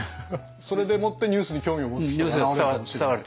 それでもってニュースに興味を持つ人が現れるかもしれない。